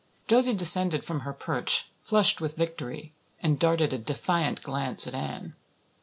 Josie descended from her perch, flushed with victory, and darted a defiant glance at Anne.